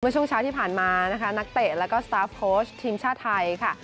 ช่วงเช้าที่ผ่านมานะคะนักเตะแล้วก็สตาร์ฟโค้ชทีมชาติไทยค่ะ